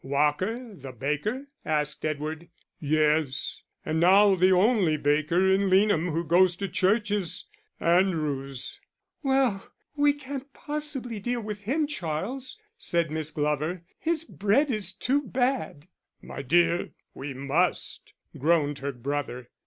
"Walker, the baker?" asked Edward. "Yes; and now the only baker in Leanham who goes to church is Andrews." "Well, we can't possibly deal with him, Charles," said Miss Glover, "his bread is too bad." "My dear, we must," groaned her brother.